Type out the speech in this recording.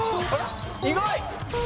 意外。